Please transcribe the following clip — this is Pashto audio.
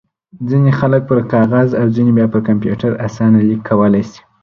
ځينې خلک پر کاغذ او ځينې بيا پر کمپيوټر اسانه ليک کولای شي.